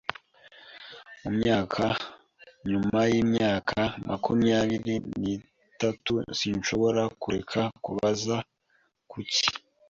Nyuma yimyaka makumyabiri nitatu sinshobora kureka kubaza "Kuki?"